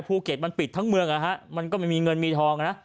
ภูเก็ตมันปิดทั้งเมืองนะฮะมันก็ไม่มีเงินมีทองนะ